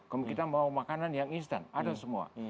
kalau kita mau makanan yang instan ada semua